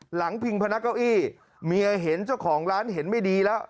พิงพนักเก้าอี้เมียเห็นเจ้าของร้านเห็นไม่ดีแล้ว